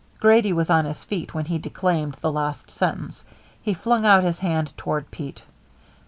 Grady was on his feet when he declaimed the last sentence. He flung out his hand toward Pete.